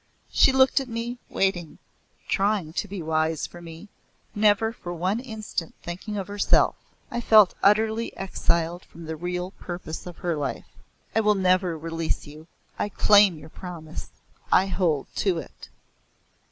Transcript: She looked at me, waiting trying to be wise for me, never for one instant thinking of herself. I felt utterly exiled from the real purpose of her life. "I will never release you. I claim your promise. I hold to it."